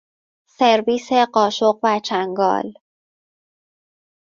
سرویس قاشق و چنگال